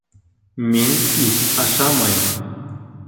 Мин ит ашамайым